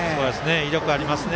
威力ありますね。